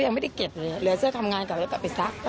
ยังไม่ได้เก็บเลยเหลือเสื้อทำงานก่อนแล้วก็ไปซัก